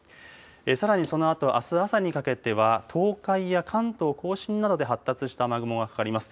さらにそのあと、あす朝にかけては東海や関東甲信などで発達した雨雲がかかります。